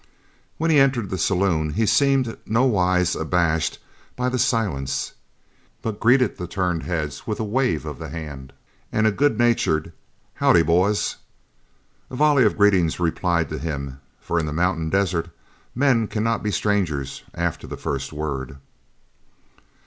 When he entered the saloon he seemed nowise abashed by the silence, but greeted the turned heads with a wave of the hand and a good natured "Howdy, boys!" A volley of greetings replied to him, for in the mountain desert men cannot be strangers after the first word.